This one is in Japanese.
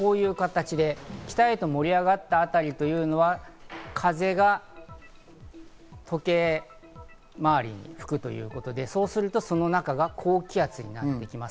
北に盛り上がった辺りというのは、風が時計回りに吹くということで、そうすると、その中が高気圧になってきます。